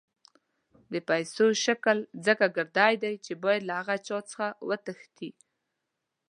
د پیسو شکل ځکه ګردی دی چې باید له هر چا څخه وتښتي.